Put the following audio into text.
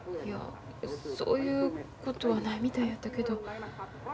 いやそういうことはないみたいやったけど。